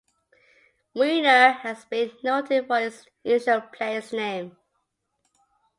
Weiner has been noted for its unusual place name.